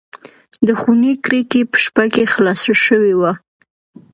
د خونې کړکۍ په شپه کې خلاصه شوې وه.